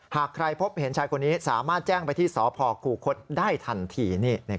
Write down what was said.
หากใครพบเห็นชายคนนี้สามารถแจ้งไปที่สพคูคศได้ทันที